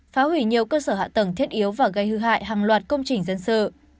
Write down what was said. phá hủy nhiều cơ sở hạ tầng thiết yếu và gây hư hại hàng loạt công trình dân sự